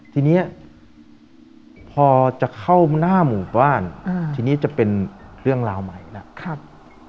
ทีนี้พอจะเข้าหน้าหมู่บ้านทีนี้จะเป็นเรื่องราวใหม่แล้ว